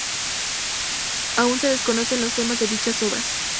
Aún se desconocen los temas de dichas obras.